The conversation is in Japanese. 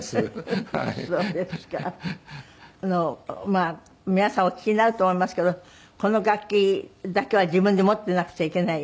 まあ皆さんお聞きになると思いますけどこの楽器だけは自分で持っていなくちゃいけない。